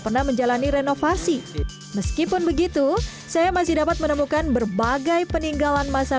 pernah menjalani renovasi meskipun begitu saya masih dapat menemukan berbagai peninggalan masa